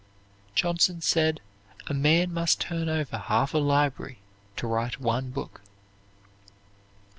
Johnson said a man must turn over half a library to write one book.